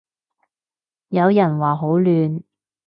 有人話好亂